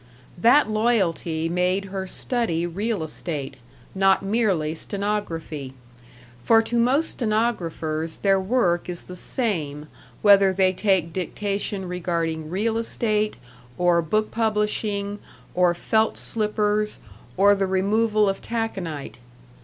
That loyalty made her study real estate, not merely stenography; for to most stenographers their work is the same whether they take dictation regarding real estate, or book publishing, or felt slippers, or the removal of taconite.